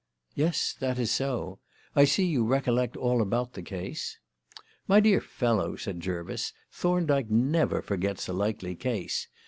"Yes, that is so. I see you recollect all about the case." "My dear fellow," said Jervis, "Thorndyke never forgets a likely case.